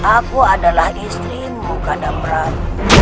aku adalah istrimu kadamran